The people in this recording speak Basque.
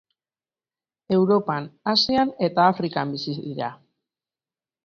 Europan, Asian eta Afrikan bizi dira.